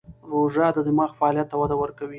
روژه د دماغ فعالیت ته وده ورکوي.